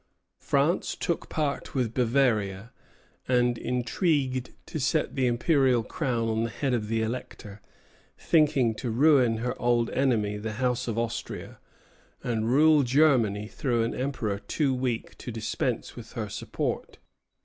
France took part with Bavaria, and intrigued to set the imperial crown on the head of the Elector, thinking to ruin her old enemy, the House of Austria, and rule Germany through an emperor too weak to dispense with her support.